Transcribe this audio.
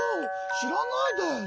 知らないです」。